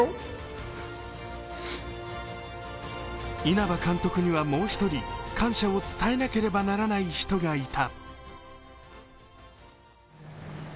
稲葉監督にはもう一人、感謝を伝えなければならない人がいた。